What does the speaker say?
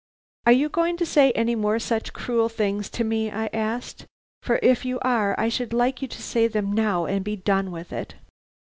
"'Are you going to say any more such cruel things to me?' I asked, 'for if you are, I should like you to say them now and be done with it.'